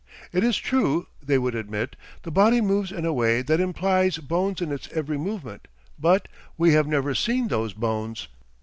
It is true, they would admit, the body moves in a way that implies bones in its every movement, but WE HAVE NEVER SEEN THOSE BONES.